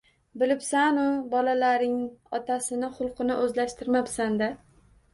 Bilibsanu, bolalaring otasini xulqini oʻzlashtirmabsanda.